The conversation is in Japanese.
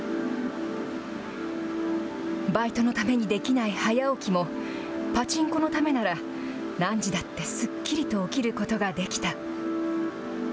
バイトのためにできない早起きも、パチンコのためなら、何時だってすっきりと起きることができた。